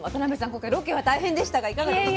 今回ロケは大変でしたがいかがでした？